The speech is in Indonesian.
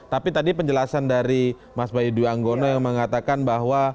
tapi tadi penjelasan dari mas bayu dwi anggono yang mengatakan bahwa